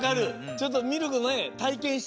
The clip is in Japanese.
ちょっとミルクねたいけんしたいね。